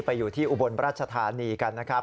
ไปอยู่ที่อุบลประรัชฐานีกันนะครับ